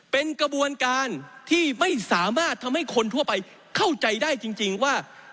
เป็นกระบวนการที่ไม่สามารถทำให้คนทั่วไปเข้าใจได้จริงว่า